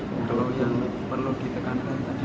kalau yang perlu ditekankan tadi